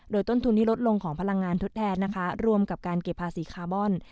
โดยต้นทุนที่ลดลงของพลังงานทดแทนนะคะรวมกับการเก็บภาษีคาร์บอน